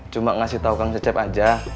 cuma ngasih tau kang cacep aja